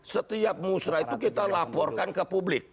setiap musrah itu kita laporkan ke publik